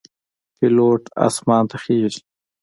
پیلوټ آسمان ته خیژي.